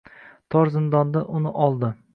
Tor zindondan uni oldi